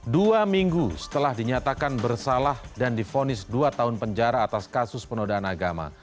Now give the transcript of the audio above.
dua minggu setelah dinyatakan bersalah dan difonis dua tahun penjara atas kasus penodaan agama